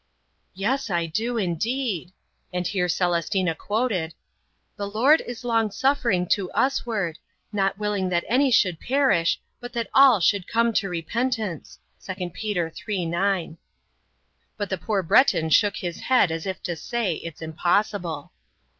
"Yes, I do, indeed!" And here Celestina quoted, "The Lord is longsuffering to us ward, not willing that any should perish, but that all should come to repentance" (2 Pet 3:9). But the poor Breton shook his head as if to say, "It's impossible!"